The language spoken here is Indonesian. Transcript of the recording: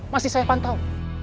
masih saya pantau